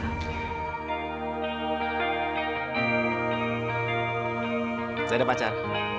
saya ada pacar